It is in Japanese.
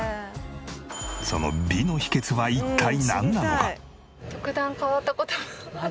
その美の秘訣は一体なんなのか？